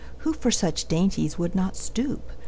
Who for such dainties would not stoop?